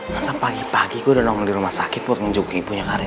masa pagi pagi gua udah nongol di rumah sakit buat ngejogok ibunya karin